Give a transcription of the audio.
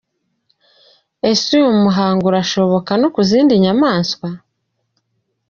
Ese uyu muhango urashoboka no ku zindi nyamaswa?.